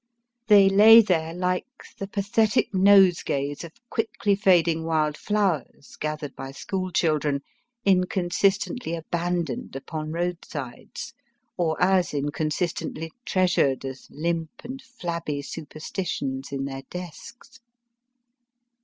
They lay there like the pathetic nosegays of quickly fading wild flowers, gathered by school children, inconsistently abandoned upon roadsides, or as inconsistently treasured as limp and flabby superstitions in their desks.